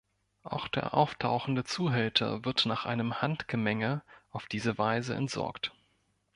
Auch der auftauchende Zuhälter wird nach einem Handgemenge auf diese Weise „entsorgt“.